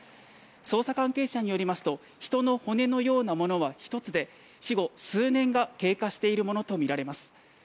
捜査関係者によりますと人の骨のようなものは１つで死後数年が経過しているものとみられます。